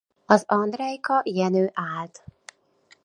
Az Andrejka Jenő Ált.